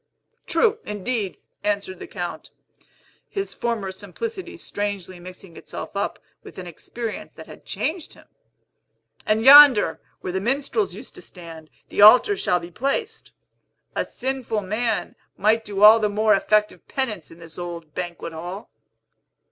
"True, indeed," answered the Count, his former simplicity strangely mixing itself up with ah experience that had changed him; "and yonder, where the minstrels used to stand, the altar shall be placed. A sinful man might do all the more effective penance in this old banquet hall."